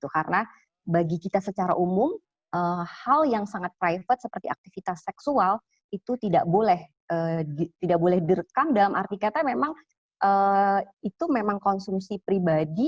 karena bagi kita secara umum hal yang sangat private seperti aktivitas seksual itu tidak boleh direkam dalam arti kata memang itu memang konsumsi pribadi